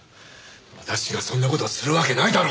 私がそんな事をするわけないだろ！